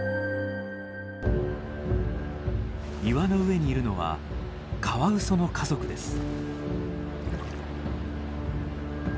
岩の上にいるのはカワウソの家族です。